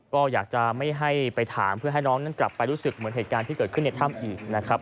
ก็อยากจะไม่ให้ไปถามเพื่อให้น้องนั้นกลับไปรู้สึกเหมือนเหตุการณ์ที่เกิดขึ้นในถ้ำอีกนะครับ